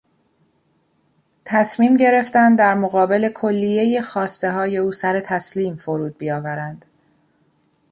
تصمیم گرفتند در مقابل کلیهی خواستههای او سر تسلیم فرود بیاورند.